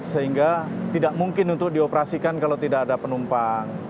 sehingga tidak mungkin untuk dioperasikan kalau tidak ada penumpang